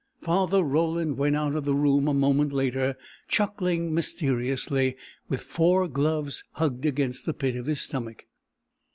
Father Roland went out of the room a moment later, chuckling mysteriously, with the four gloves hugged against the pit of his stomach.